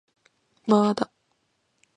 まーだ